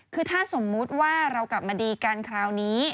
คือถ้าสมมุติว่าเรากลับมาดีกันคราวนี้